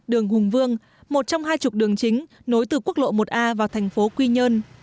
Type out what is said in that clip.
đường hùng vương một trong hai chục đường chính nối từ quốc lộ một a vào thành phố quy nhơn